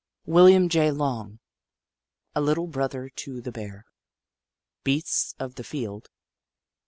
William J. Long : A Little Brother to the Bear. Beasts of the Field.